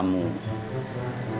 kenal udah lama